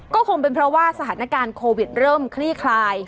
ก็คงเป็นเพราะว่าสถานการณ์โควิดเริ่มคลี่คลาย